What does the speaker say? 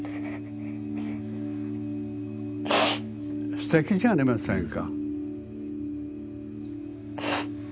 すてきじゃありませんか。